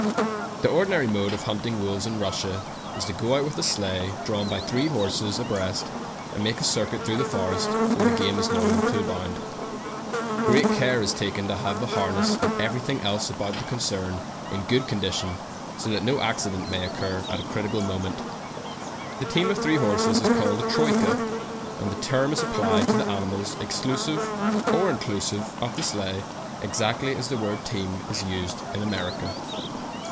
The ordinary mode of hunting wolves in Russia is to go out with a sleigh drawn by three horses abreast, and make a circuit through the forest where the game is known to abound. Great care is taken to have the harness and everything else about the concern in good condition, so that no accident may occur at a critical moment. The team of three horses is called a troika, and the term is applied to the animals exclusive or inclu sive of the sleigh, exactly as the word team is used in America.